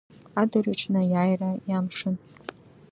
Адырҩаҽны Аиааира иамшын.